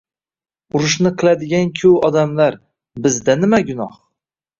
Urushni qiladigan-ku odamlar, bizda nima gunoh.